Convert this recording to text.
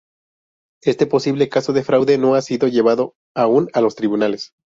Este posible caso de fraude no ha sido llevado aún a los tribunales.